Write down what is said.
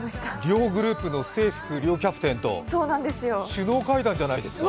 両グループの正副キャプンテンと、首脳会談じゃないですか。